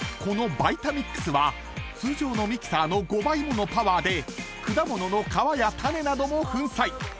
［このバイタミックスは通常のミキサーの５倍ものパワーで果物の皮や種なども粉砕］